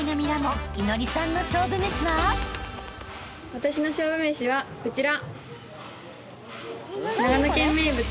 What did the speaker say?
私の勝負めしはこちら。